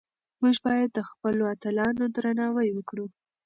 موږ باید د خپلو اتلانو درناوی وکړو.